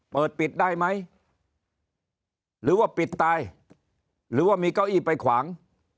เปิดปิดได้ไหมหรือว่าปิดตายหรือว่ามีเก้าอี้ไปขวาง